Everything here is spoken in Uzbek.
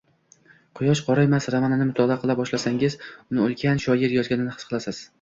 Quyosh qoraymas romanini mutolaa qila boshlasangiz, uni ulkan shoir yozganini his qilasiz